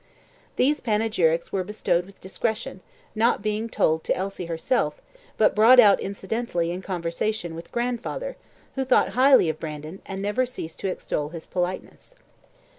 These panegyrics were bestowed with discretion, not being told to Elsie herself, but brought out incidentally in conversation with grandfather, who thought highly of Brandon, and never ceased to extol his politeness.